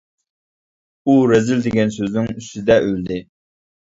ئۇ «رەزىل» دېگەن سۆزنىڭ ئۈستىدە ئۆلدى.